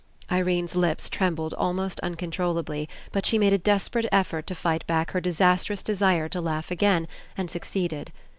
Irene's lips trembled almost uncontrol lably, but she made a desperate effort to fight back her disastrous desire to laugh again, and 68 ENCOUNTER succeeded.